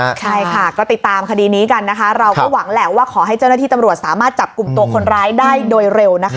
ใช่ค่ะก็ติดตามคดีนี้กันนะคะเราก็หวังแหละว่าขอให้เจ้าหน้าที่ตำรวจสามารถจับกลุ่มตัวคนร้ายได้โดยเร็วนะคะ